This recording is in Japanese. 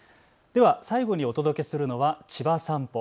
最後にお届けするのはちばさんぽ。